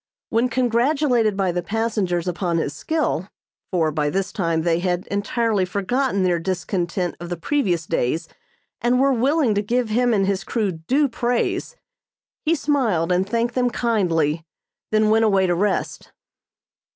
When congratulated by the passengers upon his skill, for by this time they had entirely forgotten their discontent of the previous days and were willing to give him and his crew due praise, he smiled and thanked them kindly, then went away to rest.